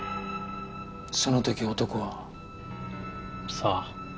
その時男は？さあ？